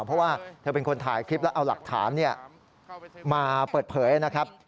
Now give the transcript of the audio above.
เพราะว่าเธอเป็นคนถ่ายคลิปแล้วเอาหลักฐานมาเปิดเผยนะครับ